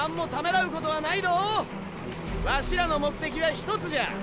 ワシらの目的は１つじゃ。